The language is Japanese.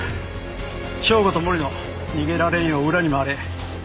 省吾と森野逃げられんよう裏に回れ。